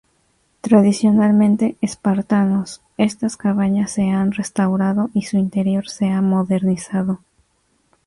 Tradicionalmente espartanos, estas cabañas se han restaurado y su interior se ha modernizado.